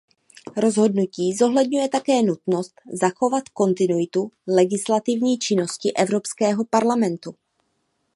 Rozhodnutí zohledňuje také nutnost zachovat kontinuitu legislativní činnosti Evropského parlamentu.